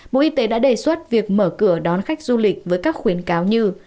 bộ y tế đã đề xuất việc mở cửa đón khách du lịch với các khuyến cáo như